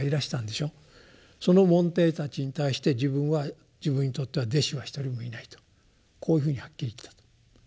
その門弟たちに対して自分は自分にとっては弟子は一人もいないとこういうふうにはっきり言ったと。